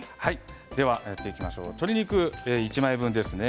鶏肉１枚分ですね。